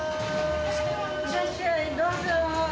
いらっしゃい、どうぞ。